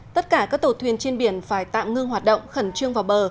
tất cả các tàu thuyền trên biển phải tạm ngưng hoạt động khẩn trương vào bờ